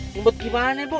ngebut gimana bu